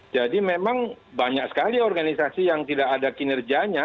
jadi memang banyak sekali organisasi yang tidak ada kinerjanya